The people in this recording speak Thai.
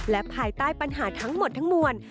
และภายใต้ปัญหาทั้งหมดทั้งมวล